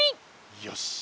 よし！